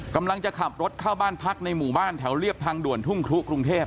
กำลังจะขับรถเข้าบ้านพักในหมู่บ้านแถวเรียบทางด่วนทุ่งครุกรุงเทพ